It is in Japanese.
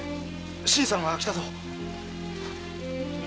新さんが来たぞ。